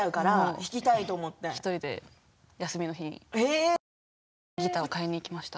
１人で休みの日にギターを買いに行きました。